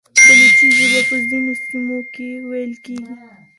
بلوچي ژبه په ځینو سیمو کې ویل کېږي.